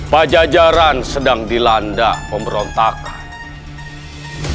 pajajaran sedang dilanda pemberontakan